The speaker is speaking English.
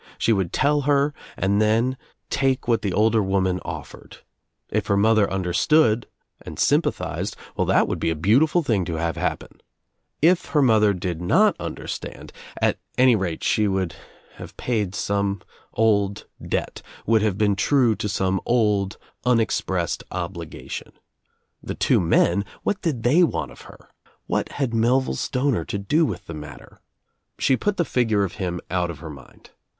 She would tell her and then take what the older woman offered. If her mother understood and sympathized, well that would be a beautiful thing to. have happen. If her mother did not understand — at OUT OF NOWHERE INTO NOTHING 247 any rate she would have paid some old debt, would have been true to some old, unexpressed obligation. The two men — what did they want of her? What had Melville Stoncr to do with the matter? She put the figure of him out of her mind.